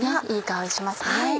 いい香りしますね。